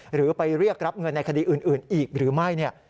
หรือไปเรียกรับเงินในคดีอื่นอีกหรือไม่